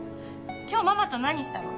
今日ママと何したの？